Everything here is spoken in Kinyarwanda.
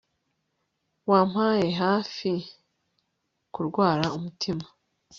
Wampaye hafi kurwara umutima